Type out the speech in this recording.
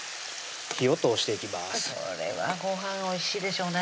それはごはんおいしいでしょうね